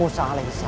untuk menjadi jalan